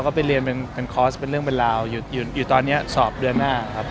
ก็ปฏิหรอกแล้วเราก็ไปเรียนเป็นข้อมูลแล้วอยู่ตอนนี้สอบเดือนหน้า